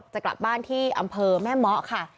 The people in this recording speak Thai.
จะกลับบ้านที่อำเภอแม่เมาะค่ะ